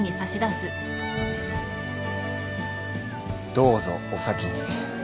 どうぞお先に。